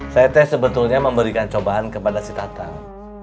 saya teh sebetulnya memberikan cobaan kepada si tatang